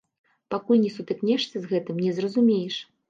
Пакуль не сутыкнешся з гэтым, не зразумееш.